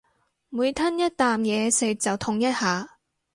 每吞一啖嘢食就痛一下